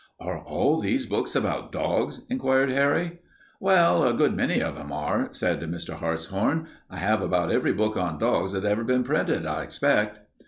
"Are all these books about dogs?" inquired Harry. "Well, a good many of them are," said Mr. Hartshorn. "I have about every book on dogs that has been printed, I expect."